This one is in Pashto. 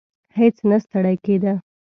هیڅ نه ستړی کېدی.